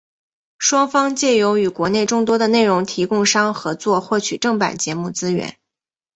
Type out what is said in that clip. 双方藉由与国内众多的内容提供商合作获取正版节目资源。